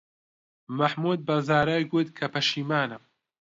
مەحموود بە زارای گوت کە پەشیمانە.